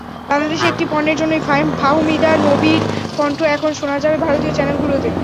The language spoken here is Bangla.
বাংলাদেশি একটি পণ্যের জন্যই ফাহমিদা নবীর কণ্ঠ এখন শোনা যাবে ভারতীয় চ্যানেলগুলোতে।